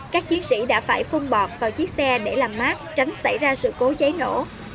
các chiến sĩ đã phải phun bọt vào chiếc xe để làm mát tránh xảy ra sự cố cháy nổ